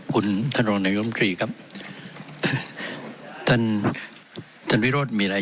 คุณท่านรัฐมนตรีครับธรรมิโนตมีอะไร